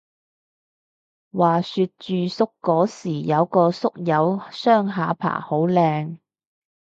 話說住宿嗰時有個宿友雙下巴好靚